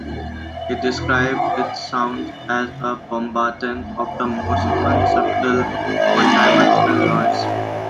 He described its sound as a bombardment of the most unsubtle, one-dimensional noise.